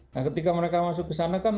nah ketika mereka masuk ke sana kan